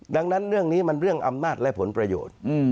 ดังนั้นเรื่องนี้มันเรื่องอำนาจและผลประโยชน์